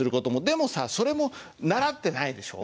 でもさそれも習ってないでしょ。